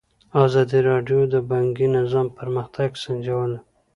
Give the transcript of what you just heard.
ازادي راډیو د بانکي نظام پرمختګ سنجولی.